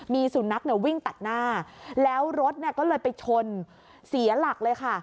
มีสุนัขเนี่ยวิ่งตัดหน้าแล้วรถก็เลยไปชนเสียหลักเลยค่ะ